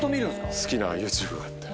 好きなＹｏｕＴｕｂｅがあって。